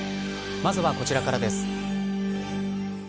まずはこちらからです。